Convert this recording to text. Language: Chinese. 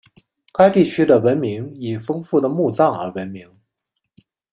该地区的文明以丰富的墓葬而闻名。